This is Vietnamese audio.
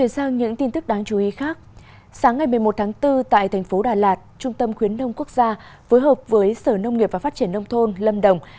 sáng ngày một mươi một tháng bốn tại thành phố đà lạt trung tâm khuyến nông quốc gia phối hợp với sở nông nghiệp và phát triển nông thôn lâm đồng